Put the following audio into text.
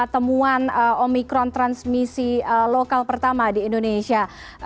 temuan omikron transmisi lokal pertama di indonesia